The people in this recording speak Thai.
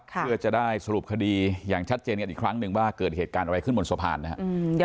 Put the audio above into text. เพื่อจะได้สรุปคดีอย่างชัดเจนกันอีกครั้งหนึ่งว่าเกิดเหตุการณ์อะไรขึ้นบนสะพานนะครับ